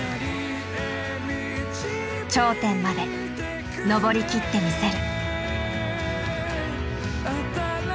頂点まで登り切ってみせる。